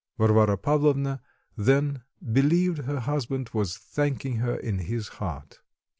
Varvara Pavlovna then believed her husband was thanking her in his heart.